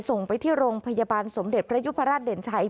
ส่งไปที่โรงพยาบาลสมเด็จพระยุพราชเด่นชัย